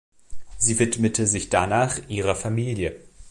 Sie widmete sich danach ihrer Familie.